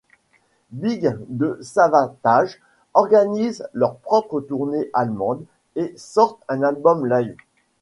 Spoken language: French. Big et Savatage, organisent leur propre tournée allemande, et sortent un album live.